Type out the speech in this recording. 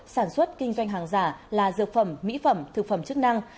sản xuất kinh doanh hàng giả là dược phẩm mỹ phẩm thực phẩm chức năng